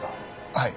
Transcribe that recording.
はい。